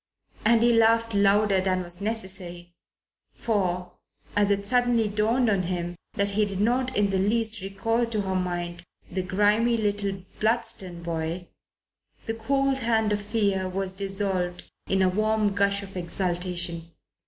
And he laughed louder than was necessary, for, as it suddenly dawned upon him that he did not in the least recall to her mind the grimy little Bludston boy, the cold hand of fear was dissolved in a warm gush of exultation.